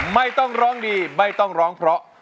ไม่ต้องร้องดีไม่ต้องร้องเพราะ